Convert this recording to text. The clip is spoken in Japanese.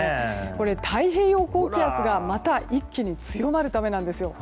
太平洋高気圧がまた一気に強まるためなんです。